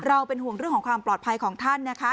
เราเป็นห่วงเรื่องของความปลอดภัยของท่านนะคะ